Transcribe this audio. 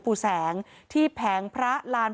เพราะทนายอันนันชายเดชาบอกว่าจะเป็นการเอาคืนยังไง